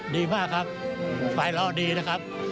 ดีมากครับฝ่ายเราดีนะครับ